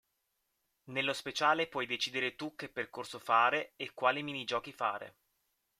Nello speciale puoi decidere tu che percorso fare e quali minigiochi fare.